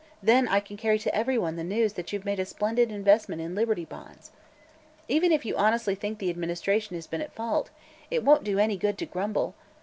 Then I can carry to everyone the news that you've made a splendid investment in Liberty Bonds. Even if you honestly think the administration has been at fault, it won't do any good to grumble.